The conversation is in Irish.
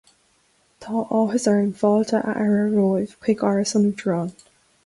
Tá áthas orm fáilte a fhearadh romhaibh chuig Áras an Uachtaráin